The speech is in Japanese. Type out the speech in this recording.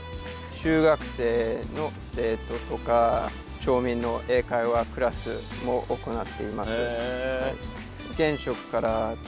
中学生の生徒とか町民の英会話クラスも行っています。